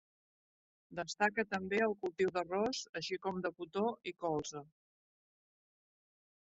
Destaca també el cultiu d'arròs així com de cotó i colza.